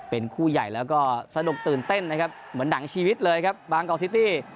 เป็นคู่ใหญ่แล้วก็สนุกตื่นเต้นนะครับเหมือนหนังชีวิตเลยครับบางกอกซิตี้